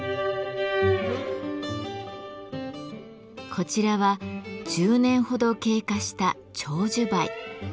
こちらは１０年ほど経過した長寿梅。